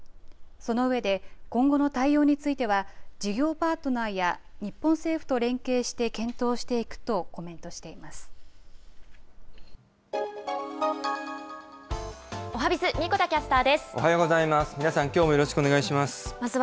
その上で、今後の対応については事業パートナーや日本政府と連携して検討しおはＢｉｚ、神子田キャスタおはようございます。